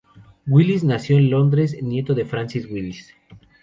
Willis nació en Londres, nieto de Francis Willis.